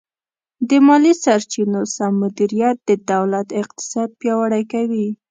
د مالي سرچینو سم مدیریت د دولت اقتصاد پیاوړی کوي.